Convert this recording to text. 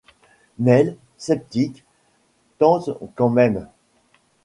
Nell, sceptique, tente quand même.